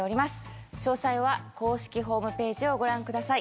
詳細は公式ホームページをご覧ください。